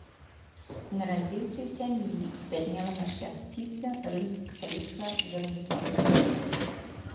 Нарадзіўся ў сям'і збяднелага шляхціца рымска-каталіцкага веравызнання.